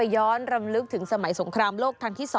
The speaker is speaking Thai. ย้อนรำลึกถึงสมัยสงครามโลกครั้งที่๒